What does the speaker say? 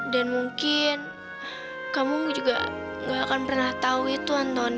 dan mungkin kamu juga gak akan pernah tahu itu antoni